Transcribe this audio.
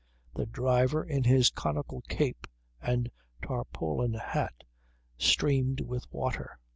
The driver in his conical cape and tarpaulin hat, streamed with water.